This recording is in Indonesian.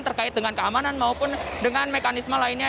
terkait dengan keamanan maupun dengan mekanisme lainnya